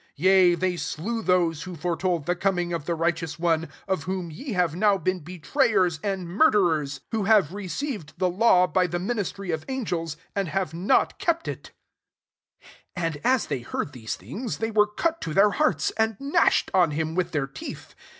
yea, they slew those who fore told the coming of the Right eous One, of whom ye have now been betrayers and mur derers: 53 who have received £i2 ACTS VIII. the law by the ministry of an gels, and have not kept tV." 54 And as they heard these thingS) they were cut to their hearts; and gnashed on him with their teeth.